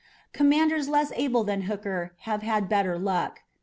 Commanders less able than Hooker have had better luck.